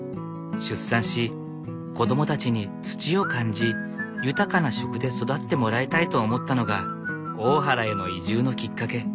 出産し子供たちに土を感じ豊かな食で育ってもらいたいと思ったのが大原への移住のきっかけ。